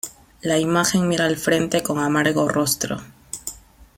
La imagen mira al frente con amargo rostro.